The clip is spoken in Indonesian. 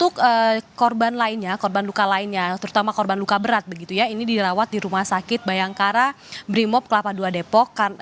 untuk korban lainnya korban luka lainnya terutama korban luka berat begitu ya ini dirawat di rumah sakit bayangkara brimob kelapa dua depok